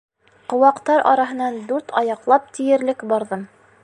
Ҡыуаҡтар араһынан дүрт аяҡлап тиерлек барҙым.